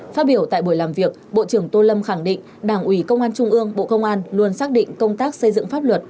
phát biểu tại buổi làm việc bộ trưởng tô lâm khẳng định đảng ủy công an trung ương bộ công an luôn xác định công tác xây dựng pháp luật